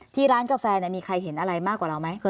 ร้านกาแฟมีใครเห็นอะไรมากกว่าเราไหม